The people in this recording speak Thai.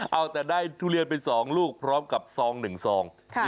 เอาแต่ได้ทุเรียนเป็นสองลูกพร้อมกับซองหนึ่งซอง